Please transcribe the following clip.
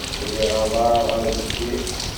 Rriɣ aḍar ɣer deffir.